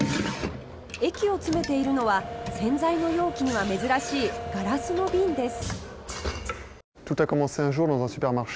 液を詰めているのは洗剤の容器には珍しいガラスの瓶です。